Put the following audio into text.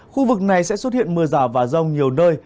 khu vực này sẽ xuất hiện mưa rào và rông nhiều nơi